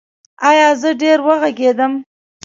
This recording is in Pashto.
ایا زه ډیر وغږیدم؟